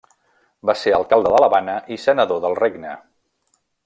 Va ser alcalde de l'Havana i senador del Regne.